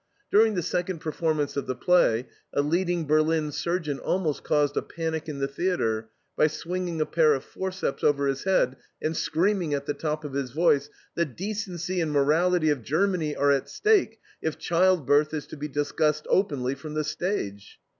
During the second performance of the play a leading Berlin surgeon almost caused a panic in the theatre by swinging a pair of forceps over his head and screaming at the top of his voice: "The decency and morality of Germany are at stake if childbirth is to be discussed openly from the stage."